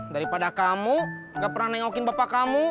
daripada kamu gak pernah nengokin bapak kamu